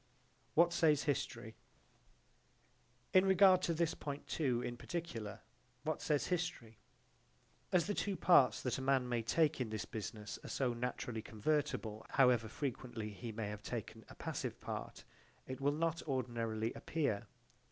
What says history? In regard to this point too in particular, what says history? As the two parts that a man may take in this business are so naturally convertible however frequently he may have taken a passive part, it will not ordinarily appear.